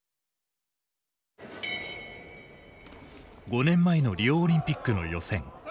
５年前のリオオリンピックの予選。